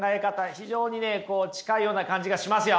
非常に近いような感じがしますよ。